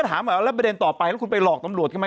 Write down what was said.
ถามว่าแล้วประเด็นต่อไปแล้วคุณไปหลอกตำรวจเขาไหม